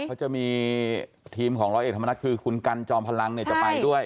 เขาจะมีทีมของร้อยเอกธรรมนัฐคือคุณกันจอมพลังจะไปด้วย